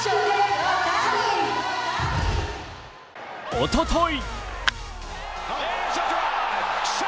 おととい